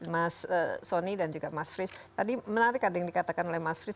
mas soni dan juga mas fritz tadi menarik ada yang dikatakan oleh mas fritz